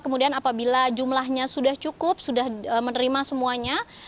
kemudian apabila jumlahnya sudah cukup sudah menerima semuanya